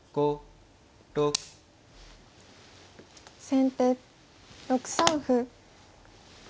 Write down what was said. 先手６三歩。